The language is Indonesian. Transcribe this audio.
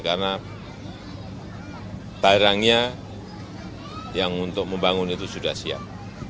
karena barangnya yang untuk membangun itu sudah siap